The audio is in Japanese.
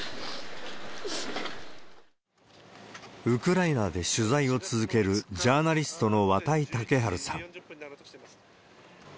ウクライナで取材を続けるジャーナリストの綿井健陽さん。